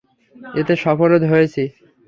এতে সফলও হয়েছি।